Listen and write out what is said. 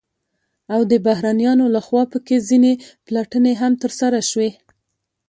او د بهرنيانو لخوا په كې ځنې پلټنې هم ترسره شوې،